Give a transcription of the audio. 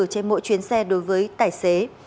trên mỗi chuyến xe đối với tài xế